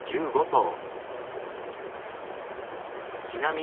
１５頭。